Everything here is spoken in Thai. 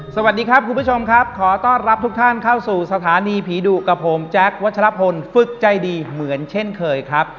สวัสดีครับคุณผู้ชมครับขอต้อนรับทุกท่านเข้าสู่สถานีผีดุกับผมแจ๊ควัชลพลฝึกใจดีเหมือนเช่นเคยครับ